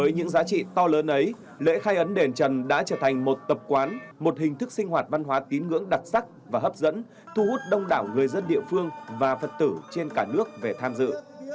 với những giá trị to lớn ấy lễ khai ấn đền trần đã trở thành một tập quán một hình thức sinh hoạt văn hóa tín ngưỡng đặc sắc và hấp dẫn thu hút đông đảo người dân địa phương và phật tử trên cả nước về tham dự